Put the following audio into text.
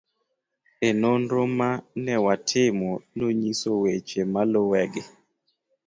e Nonro ma ne watimo nonyiso weche maluwegi